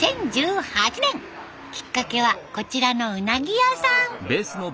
きっかけはこちらのうなぎ屋さん。